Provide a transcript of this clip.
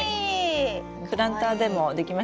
プランターでもできましたね。ね！